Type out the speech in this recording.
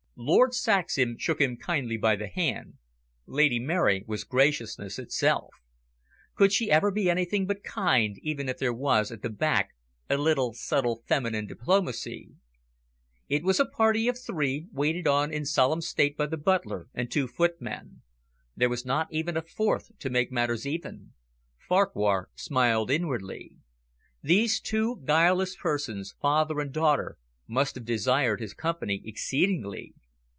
Lord Saxham shook him kindly by the hand. Lady Mary was graciousness itself. Could she ever be anything but kind, even if there was, at the back, a little subtle feminine diplomacy. It was a party of three, waited on in solemn state by the butler and two footmen. There was not even a fourth to make matters even. Farquhar smiled inwardly. These two guileless persons, father and daughter, must have desired his company exceedingly!